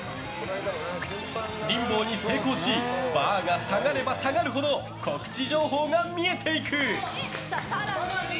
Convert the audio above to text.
リンボーに成功しバーが下がれば下がるほど告知情報が見えていく！